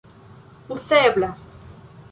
uzebla